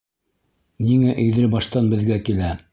Ниңә Иҙелбаштан беҙгә килә?